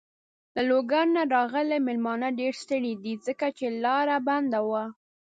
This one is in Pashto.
له لوګر نه راغلی مېلمانه ډېر ستړی دی. ځکه چې لاره بنده وه.